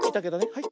はい。